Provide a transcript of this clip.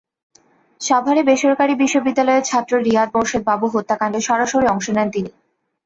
সাভারে বেসরকারি বিশ্ববিদ্যালয়ের ছাত্র রিয়াদ মোর্শেদ বাবু হত্যাকাণ্ডে সরাসরি অংশ নেন তিনি।